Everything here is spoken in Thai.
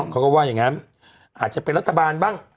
เขาก็ว่าอย่างนั้นอาจจะเป็นรัฐบาลบ้าง